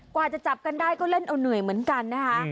กว่าจะจับกันได้ก็เล่นเอาเหนื่อยเหมือนกันนะคะ